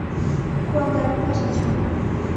Куандарыкташ ачам